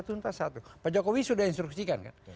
tuntas satu pak jokowi sudah instruksikan kan